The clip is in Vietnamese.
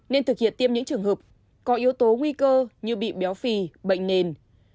nên thực hiện tiêm những trường hợp có yếu tố nguy cơ như bị béo phì bệnh nền